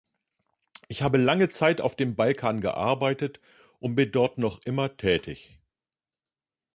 Ich habe lange Zeit auf dem Balkan gearbeitet und bin dort noch immer tätig.